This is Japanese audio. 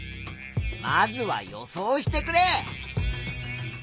まずは予想してくれ。